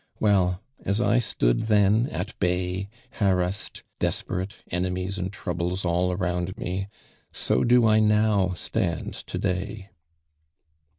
Well, as I stood then, at bay, harassed, desperate, enemies and troubles all around me, so do 1 now stand to day."'